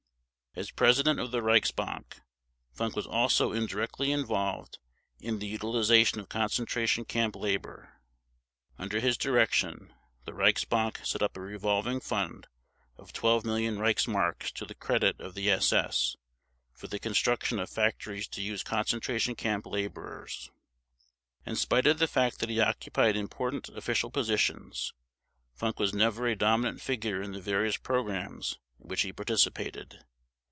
As President of the Reichsbank, Funk was also indirectly involved in the utilization of concentration camp labor. Under his direction the Reichsbank set up a revolving fund of 12,000,000 Reichsmarks to the credit of the SS for the construction of factories to use concentration camp laborers. In spite of the fact that he occupied important official positions, Funk was never a dominant figure in the various programs in which he participated.